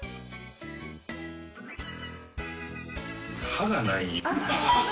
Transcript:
歯がない。